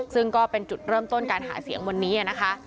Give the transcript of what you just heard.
ซึ่งก็เป็นจุดเริ่มต้นการหาเสียงวันนี้นะคะ